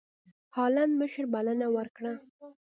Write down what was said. هالنډ مشر بلنه ورکړه.